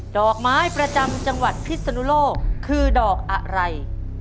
ดอกไม้ประจำจังหวัดพิศนุโลกคือดอกอะไร